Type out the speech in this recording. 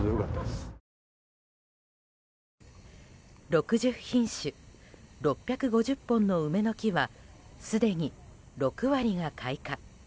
６０品種６５０本の梅の木はすでに６割が開花。